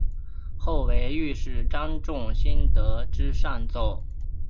后为御史张仲炘得知上奏。